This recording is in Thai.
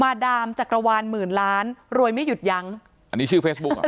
ดามจักรวาลหมื่นล้านรวยไม่หยุดยั้งอันนี้ชื่อเฟซบุ๊คเหรอ